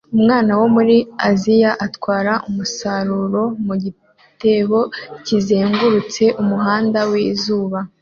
Umwana wo muri Aziya atwara umusaruro mu gitebo kizengurutse umuhanda wizuba